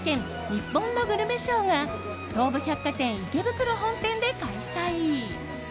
にっぽんのグルメショーが東武百貨店池袋本店で開催。